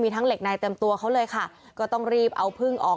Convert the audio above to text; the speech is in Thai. ทั้งเหล็กในเต็มตัวเขาเลยค่ะก็ต้องรีบเอาพึ่งออก